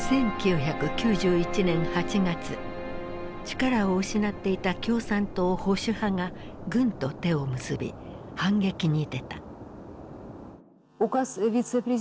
力を失っていた共産党保守派が軍と手を結び反撃に出た。